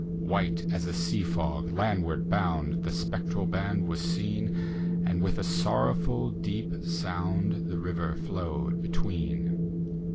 White as a sea fc%, landward bound. The spectral band was seen. And with a sorrowful deep sound. The river flowed between.